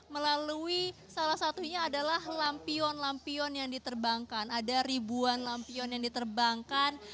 melalui salah satunya adalah lampion lampion yang diterbangkan ada ribuan lampion yang diterbangkan